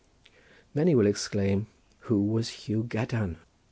Many will exclaim who was Hu Gadarn?